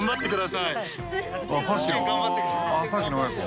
さっきの親子。